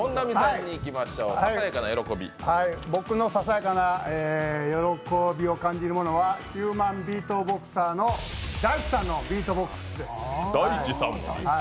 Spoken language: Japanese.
僕のささやかな喜びを感じるものはヒューマンビートボクサーのＤａｉｃｈｉさんのビートボックスです。